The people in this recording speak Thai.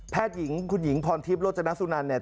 หญิงคุณหญิงพรทิพย์โรจนสุนันเนี่ย